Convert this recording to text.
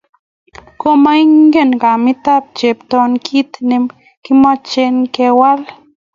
Komakongen kametap Cheptoo kit ne kimache kwal.